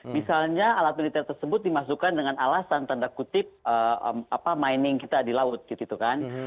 misalnya alat militer tersebut dimasukkan dengan alasan tanda kutip mining kita di laut gitu kan